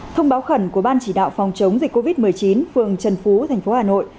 thông báo khẩn của ban chỉ đạo phòng chống dịch covid một mươi chín phường trần phú thành phố hà nội